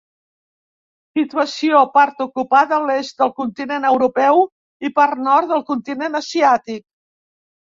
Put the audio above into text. Situació: Part ocupada a l'est del continent europeu i part nord del continent asiàtic.